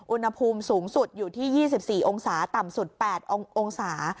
อุณหภูมิสูงสุดอยู่ที่๒๔องศาต่ำสุด๘องศา